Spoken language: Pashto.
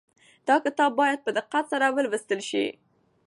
دا کتاب باید په دقت سره ولوستل شي.